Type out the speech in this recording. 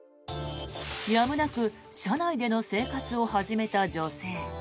やむなく車内での生活を始めた女性。